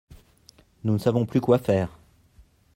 Nous ne savons plus quoi faire.